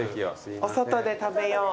お外で食べよう。